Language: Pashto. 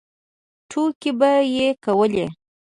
ټوکې به یې کولې.